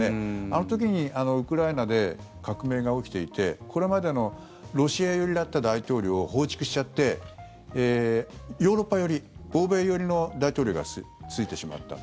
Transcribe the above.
あの時にウクライナで革命が起きていてこれまでのロシア寄りだった大統領を放逐しちゃってヨーロッパ寄り、欧米寄りの大統領が就いてしまった。